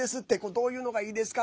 どういうのがいいですか？